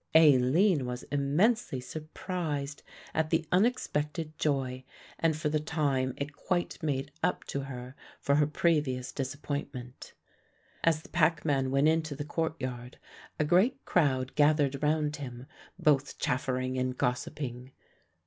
Aline was immensely surprised at the unexpected joy, and for the time it quite made up to her for her previous disappointment. As the packman went into the courtyard a great crowd gathered round him, both chaffering and gossiping.